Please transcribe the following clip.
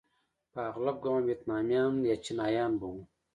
په اغلب ګومان ویتنامیان یا چینایان به وو.